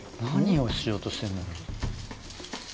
何をしようとしてんだ？